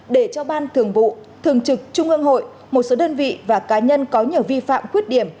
để cho ban thường vụ thường trực trung ương hội một số đơn vị và cá nhân có nhiều vi phạm khuyết điểm